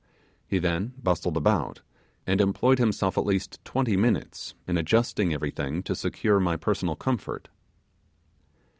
He then bustled about, and employed himself at least twenty minutes in adjusting everything to secure my personal comfort.